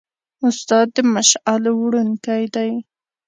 استاد د مشعل وړونکی دی.